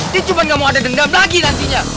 dia cuma gak mau ada dendam lagi nantinya